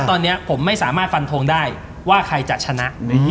ตอนนี้ผมไม่สามารถฟันทงได้ว่าใครจะชนะ